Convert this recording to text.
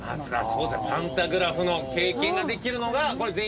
パンタグラフの経験ができるのがこれ全員できる？